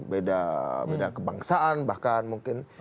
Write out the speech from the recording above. beda kebangsaan bahkan mungkin